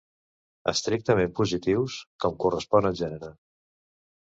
Estrictament positius, com correspon al gènere.